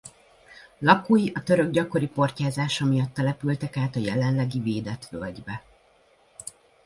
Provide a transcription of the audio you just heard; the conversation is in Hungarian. Lakói a török gyakori portyázása miatt települtek át a jelenlegi védett völgybe.